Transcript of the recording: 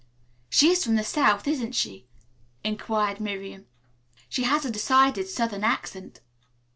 "She is from the South, isn't she?" inquired Miriam. "She has a decided southern accent."